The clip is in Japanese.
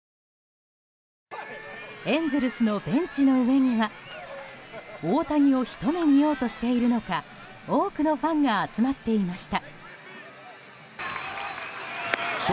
エンゼルスのベンチの上には大谷をひと目見ようとしているのか多くのファンが集まっていました。